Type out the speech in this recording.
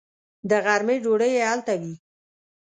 د غرمې ډوډۍ یې هلته وي.